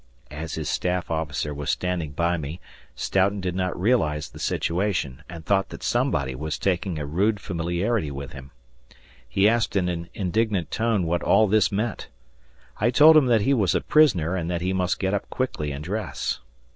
As his staff officer was standing by me, Stoughton did not realize the situation and thought that somebody was taking a rude familiarity with him. He asked in an indignant tone what all this meant. I told him that he was a prisoner, and that he must get up quickly and dress.